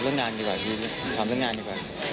เรื่องงานดีกว่าพี่ถามเรื่องงานดีกว่า